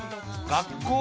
「学校」